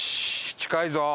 近いぞ！